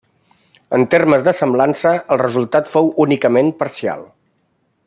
En termes de semblança, el resultat fou únicament parcial.